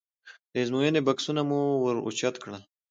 د ازموینې بکسونه مو ور اوچت کړل.